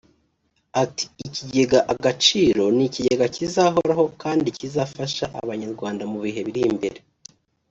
ati “Ikigega Agaciro ni ikigega kizahoraho kandi kizafasha Abanyarwanda mu bihe biri imbere